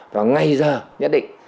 vào ngay giờ nhất định